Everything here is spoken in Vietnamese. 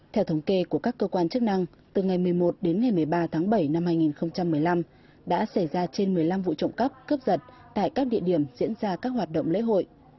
theo thống kê của các cơ quan chức năng từ ngày một mươi một đến ngày một mươi ba tháng bảy năm hai nghìn một mươi năm đã xảy ra trên một mươi năm vụ trộm cắp cướp giật tại các địa điểm diễn ra các hoạt động lễ hội